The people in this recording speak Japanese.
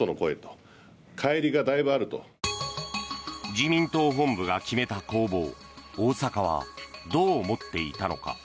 自民党本部が決めた公募を大阪はどう思っていたのか。